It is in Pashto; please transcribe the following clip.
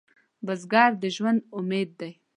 بزګر د ژوند امید دی